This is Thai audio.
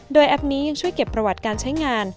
โดยแอปนี้ยังช่วยเก็บประวัติการใช้งาน